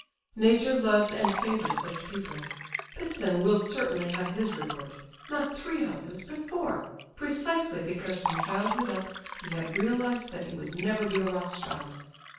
Nature loves and favours such people. Ptitsin will certainly have his reward, not three houses, but four, precisely because from childhood up he had realized that he would never be a Rothschild.